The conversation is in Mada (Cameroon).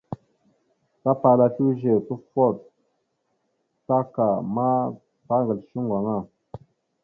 Tapala slʉze, tufoɗ, taka ma tagasl shʉŋgo aŋa.